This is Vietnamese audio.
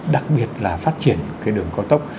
đặc biệt là phát triển đường cao tốc